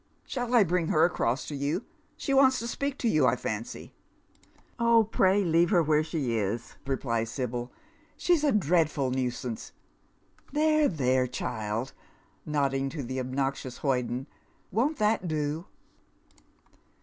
Shall I bring her across to you ? She wants to speak to you, I fancy." " Oh, pray leave her where she is," replies Sibyl. " She's a dreadful nuisance. There, there, child," nodding to the obnoxi ous hoyden ;" won't that do